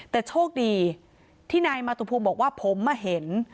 แต่โชคดีที่นายมาตุภูมิบอกว่าผมมาเห็น